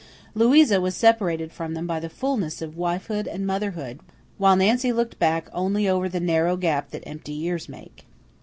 Louisa was separated from them by the fulness of wifehood and motherhood, while Nancy looked back only over the narrow gap that empty years make.